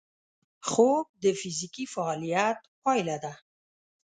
خوب د فزیکي فعالیت پایله ده